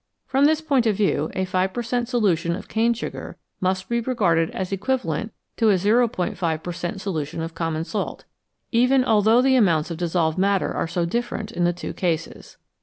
From this point of view, a 5 per cent, solution of cane sugar must be regarded as equivalent to a 0*5 per cent, solution of common salt, even although the amounts of dissolved matter are so different in the two cases.